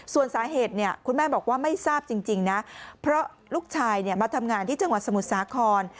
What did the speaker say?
ส่วนสาเหตุเนี่ยคุณแม่บอกว่าไม่ทราบจริงนะเพราะลูกชายมาทำงานที่จังหวัดสมุทรสาคร